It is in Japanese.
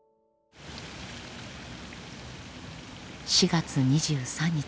４月２３日。